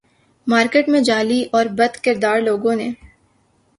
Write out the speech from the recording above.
market میں جعلی اور بدکردار لوگوں نے